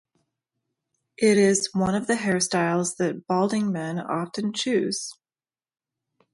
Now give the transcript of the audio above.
It is one of the hairstyles that balding men often choose.